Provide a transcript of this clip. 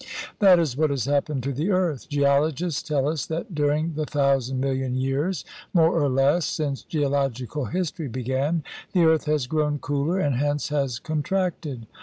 That is what has happened to the earth. Geologists tell us that during the thousand million years, more or less, since geological history began, the earth has grown cooler and hence has con tracted.